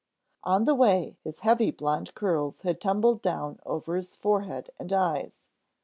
On the way his heavy blond curls had tumbled down over his forehead and eyes.